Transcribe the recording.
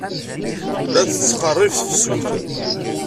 La d-tettqerrib tefsut.